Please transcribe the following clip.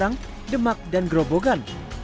jalan semarang demak dan gerobogan